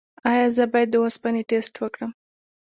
ایا زه باید د اوسپنې ټسټ وکړم؟